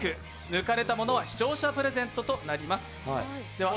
抜かれたものは視聴者プレゼントとなります。